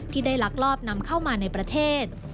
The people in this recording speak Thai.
ที่ได้ลักลอบนำเข้ามาในประเทศ